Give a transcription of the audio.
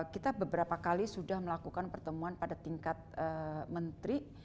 kita beberapa kali sudah melakukan pertemuan pada tingkat menteri